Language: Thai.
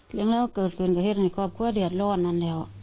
หลายคนเขาเกิดเกินที่โคบคั่วเดี๋ยวล่อถนั่นแล้ว